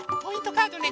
カードね。